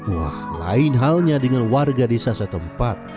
wah lain halnya dengan warga desa setempat